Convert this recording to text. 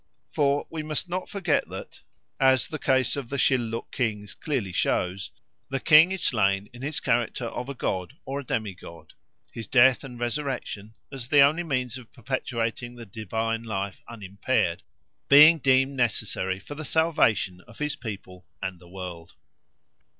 For we must not forget that, as the case of the Shilluk kings clearly shows, the king is slain in his character of a god or a demigod, his death and resurrection, as the only means of perpetuating the divine life unimpaired, being deemed necessary for the salvation of his people and the world.